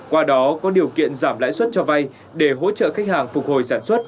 qua đó có điều kiện giảm lãi suất cho vay để hỗ trợ khách hàng phục hồi sản xuất